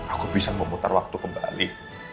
aku bisa memutar waktu kembali